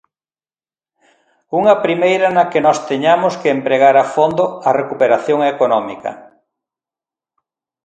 Unha primeira na que nos teñamos que empregar a fondo á recuperación económica.